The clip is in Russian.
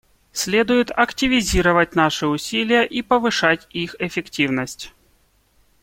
Следует активизировать наши усилия и повышать их эффективность.